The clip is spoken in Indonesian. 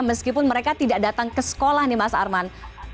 meskipun mereka tidak datang ke sekolah nih mas arman